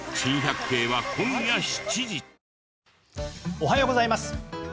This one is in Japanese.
おはようございます。